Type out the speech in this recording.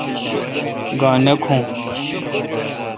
گاؘ نہ کھون۔